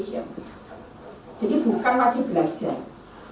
jadi bukan wajib belajar